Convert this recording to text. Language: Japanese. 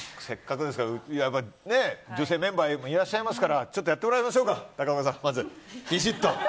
せっかくですから女性メンバーもいらっしゃいますからちょっとやってもらいましょうか。